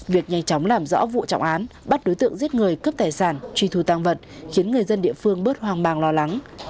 việc nhanh chóng làm rõ vụ trọng án bắt đối tượng giết người cướp tài sản truy thù tăng vật khiến người dân địa phương bớt hoang mang lo lắng